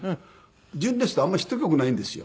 純烈ってあんまりヒット曲ないんですよ。